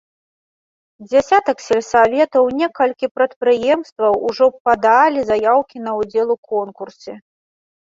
Дзясятак сельсаветаў, некалькі прадпрыемстваў ужо падалі заяўкі на ўдзел у конкурсе.